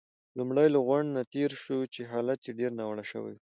لومړی له غونډ نه تېر شوو، چې حالت يې ډېر ناوړه شوی وو.